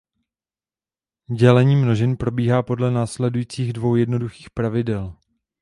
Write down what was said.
Dělení množin probíhá podle následujících dvou jednoduchých pravidel.